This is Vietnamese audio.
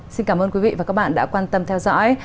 xin cảm ơn quý vị và các bạn đã quan tâm theo dõi